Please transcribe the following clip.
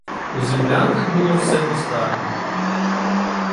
У землянках було все по-старому.